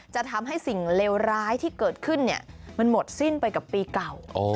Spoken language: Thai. จะทำให้สิ่งเลวร้ายที่เกิดขึ้นมันหมดสิ้นไปกับปีเก่า